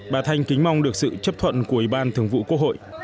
bà thanh kính mong được sự chấp thuận của ủy ban thường vụ quốc hội